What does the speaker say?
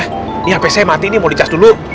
ini hp saya mati ini mau dicas dulu